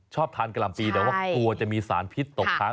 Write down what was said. ชอบทานกะหล่ำปีแต่ว่ากลัวจะมีสารพิษตกค้าง